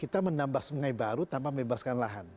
kita menambah sungai baru tanpa membebaskan lahan